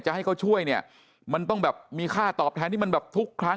ให้เขาช่วยเนี่ยมันต้องแบบมีค่าตอบแทนที่มันแบบทุกครั้ง